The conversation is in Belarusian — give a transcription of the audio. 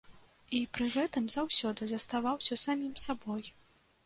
І пры гэтым заўсёды заставаўся самім сабой.